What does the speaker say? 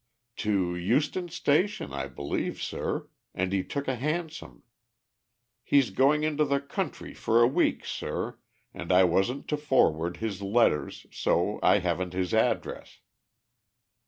"To Euston Station, I believe, sir; and he took a hansom. He's going into the country for a week, sir, and I wasn't to forward his letters, so I haven't his address."